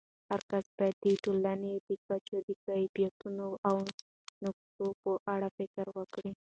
هرکس باید د ټولنې د کچو د کیفیاتو او نواقصو په اړه فکر وکړي.